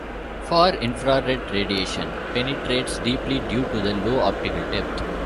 Far infrared radiation penetrates deeply due to the low optical depth.